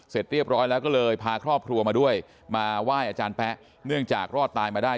เสร็จเรียบร้อยแล้วก็เลยพาครอบครัวมาด้วยมาไหว้อาจารย์แป๊ะเนื่องจากรอดตายมาได้